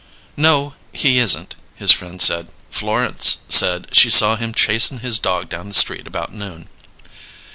"No, he isn't," his friend said. "Florence said she saw him chasin' his dog down the street about noon."